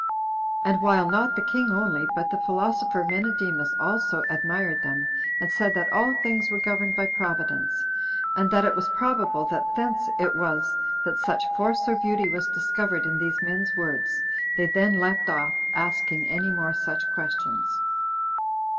13. And while not the king only, but the philosopher Menedemus also, admired them, and said that all things were governed by Providence, and that it was probable that thence it was that such force or beauty was discovered in these men's words, they then left off asking any more such questions.